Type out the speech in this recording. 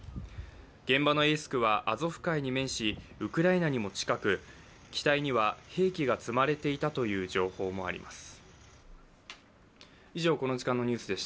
現場のエイスクは、アゾフ海に面しウクライナにも近く、機体には兵器が積まれていたという情報もあります。